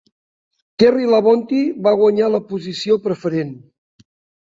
Terry Labonte va guanyar la posició preferent.